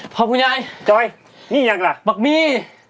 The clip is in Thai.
พ่อผู้ยายจอยนี่ยังอะไรบักมี่